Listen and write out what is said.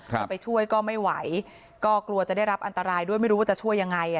จะไปช่วยก็ไม่ไหวก็กลัวจะได้รับอันตรายด้วยไม่รู้ว่าจะช่วยยังไง